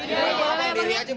berdiri aja bang